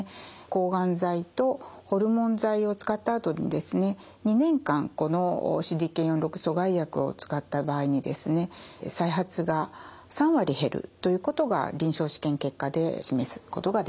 抗がん剤とホルモン剤を使ったあとにですね２年間このＣＤＫ４／６阻害薬を使った場合にですね再発が３割減るということが臨床試験結果で示すことができました。